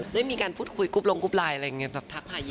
ไม่มีการพูดคุยกุบลงกุบไลน์อะไรอย่างงี้แบบทักทายินดี